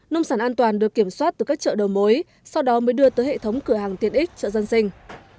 nông sản an toàn được kiểm soát từ các chợ đầu mối sau đó mới đưa tới hệ thống cửa hàng tiện ích chợ dân sinh